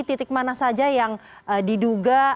titik mana saja yang diduga